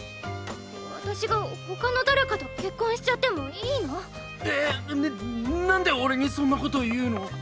私が他の誰かと結婚しちゃってもいいの⁉えっ⁉ななんで俺にそんなこと言うの⁉